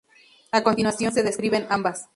A continuación se describen ambas.